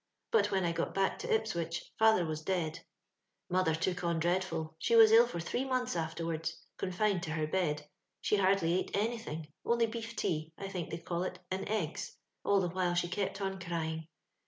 But when I got back to Ipswich, father was dead. Mother took on dreadfU ; she was ill for three months afterwards, confined to her bed. She hardly eat anything: only beaf toa — I think they «dl it — and eggs. All the while she kept on crying.